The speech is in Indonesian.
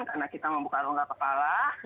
karena kita membuka rongga kepala